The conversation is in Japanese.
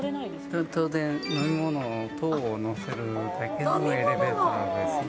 人は当然、飲み物等を載せるだけのエレベーターなんですね。